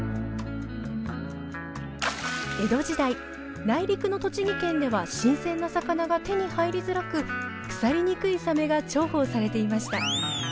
江戸時代内陸の栃木県では新鮮な魚が手に入りづらく腐りにくいサメが重宝されていました。